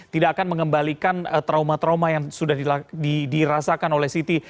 tidak akan mengembalikan trauma trauma yang sudah dirasakan oleh siti